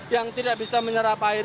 yang tidak bisa menyerap air